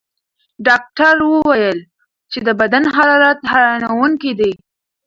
ډاکټره وویل چې د بدن حرارت حیرانوونکی دی.